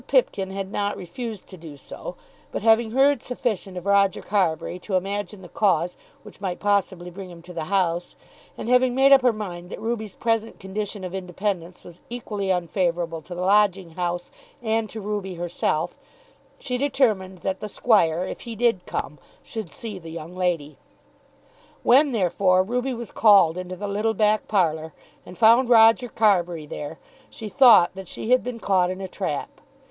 Pipkin had not refused to do so; but, having heard sufficient of Roger Carbury to imagine the cause which might possibly bring him to the house, and having made up her mind that Ruby's present condition of independence was equally unfavourable to the lodging house and to Ruby herself, she determined that the Squire, if he did come, should see the young lady. When therefore Ruby was called into the little back parlour and found Roger Carbury there, she thought that she had been caught in a trap.